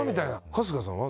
春日さんは？